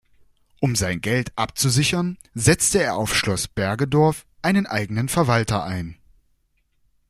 Um sein Geld abzusichern, setzte er auf Schloss Bergedorf einen eigenen Verwalter ein.